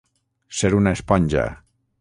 Ser una esponja.